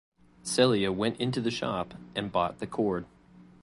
Celia went into the shop, and bought the cord.